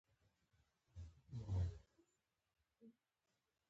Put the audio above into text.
متلونه عادي ساده او ورځنۍ جملې نه دي لکه موږ ډوډۍ خورو